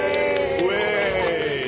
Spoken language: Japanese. ウエーイ！